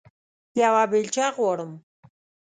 یوه بیلچه غواړم